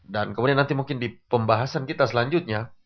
dan kemudian nanti mungkin di pembahasan kita selanjutnya